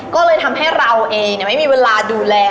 ก็เลยทำให้เราเองไม่มีเวลาดูแล